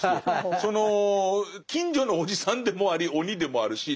その近所のおじさんでもあり鬼でもあるし。